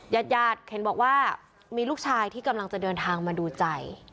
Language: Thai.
ยาดเคนบอกว่ามีลูกชายที่กำลังจะเดินทางมาดูใจ